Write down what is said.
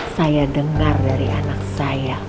saya dengar dari anak saya